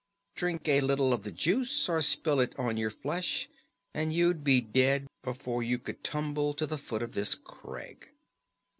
Drink a little of the juice, or spill it on your flesh, and you'd be dead before you could tumble to the foot of this crag."